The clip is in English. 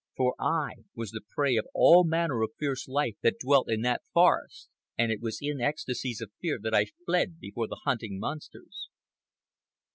For I was the prey of all manner of fierce life that dwelt in the forest, and it was in ecstasies of fear that I fled before the hunting monsters.